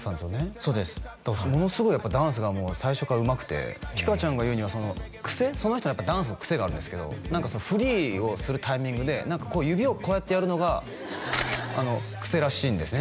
そうですものすごいダンスが最初からうまくてピカちゃんが言うには癖その人のダンスの癖があるんですけど何かフリーをするタイミングで指をこうやってやるのがあの癖らしいんですね